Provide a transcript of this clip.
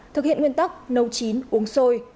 thực hiện nguyên tóc nấu chín uống sôi